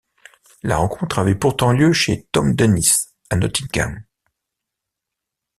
La rencontre avait pourtant lieu chez Tom Dennis, à Nottingham.